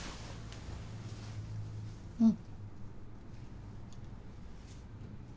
うん。